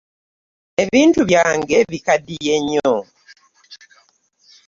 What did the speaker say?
Ebintu byange bikadiye nnyo.